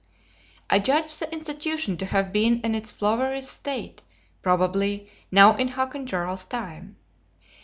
I judge the institution to have been in its floweriest state, probably now in Hakon Jarl's time.